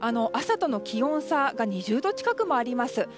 朝との気温差が２０度近くもあります。